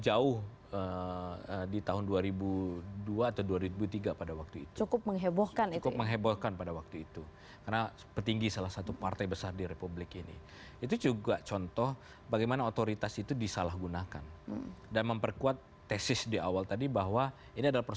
andaikan ini sekali lagi andaikan